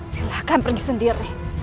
silakan pergi sendiri